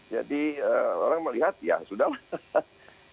jadi orang melihat ya sudah lah